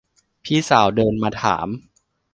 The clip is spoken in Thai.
พี่สาวเดินมาถาม